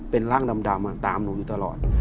เป็นร่างดำตามหนูอยู่ตลอด